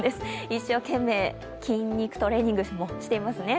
一生懸命、筋肉トレーニングしていますね。